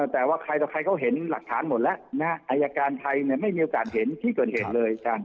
แต่ว่าใครต่อใครเขาเห็นหลักฐานหมดแล้วนะอายการไทยไม่มีโอกาสเห็นที่เกิดเหตุเลย